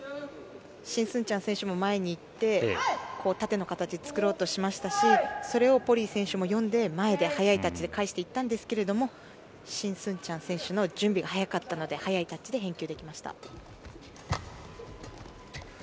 シン・スンチャン選手も前に行って縦の形を作ろうとしましたしそれをポリイ選手も読んで前で速いタッチで返していったんですがシン・スンチャン選手の準備が速かったので速いタッチで返球できました。